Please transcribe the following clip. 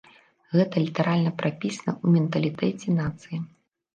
Гэта літаральна прапісана ў менталітэце нацыі.